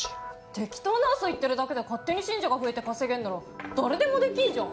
適当なウソ言ってるだけで勝手に信者が増えて稼げんなら誰でもできんじゃん！